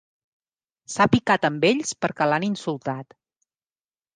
S'ha picat amb ells perquè l'han insultat.